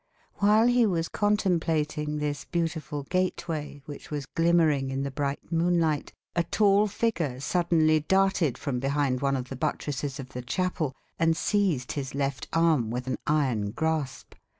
While he was contemplating this beautiful gateway, which was glimmering in the bright moonlight, a tall figure suddenly darted from behind one of the buttresses of the chapel, and seized his left arm with an iron grasp.